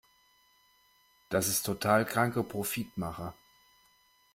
Das ist total kranke Profitmache!